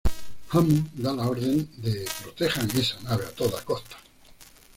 Hammond da la orden de "protejan esa nave a toda costa".